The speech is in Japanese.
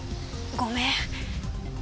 ごめん。